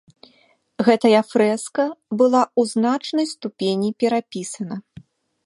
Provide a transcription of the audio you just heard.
Гэтая фрэска была ў значнай ступені перапісана.